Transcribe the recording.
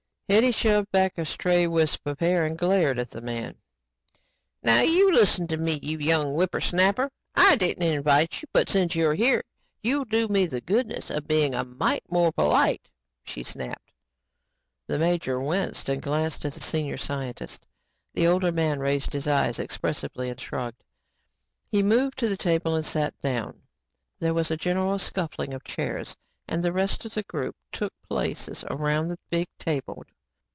Hetty shoved back a stray wisp of hair and glared at the man. "Now you listen to me, you young whippersnapper. I didn't invite you, but since you're here, you'll do me the goodness of being a mite more polite," she snapped. The major winced and glanced at the senior scientist. The older man raised his eyes expressively and shrugged. He moved to the table and sat down. There was a general scuffling of chairs and the rest of the group took places around the big table.